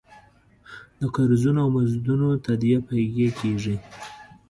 د قرضونو او مزدونو تادیه په هغې کېږي.